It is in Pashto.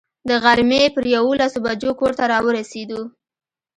د غرمې پر یوولسو بجو کور ته را ورسېدو.